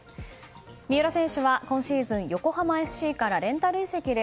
三浦選手は今シーズン横浜ＦＣからレンタル移籍で